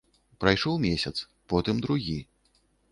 Прайшоў месяц, потым другі.